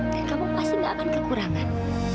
dan kamu pasti gak akan kekurangan